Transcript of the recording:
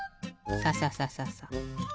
サササササ。